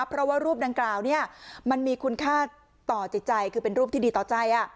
เพราะว่ารูปดังกล่าวมันมีคุณค่าต่อจิตใจคือเป็นรูปที่ดีต่อใจ